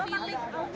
mereka cabut aja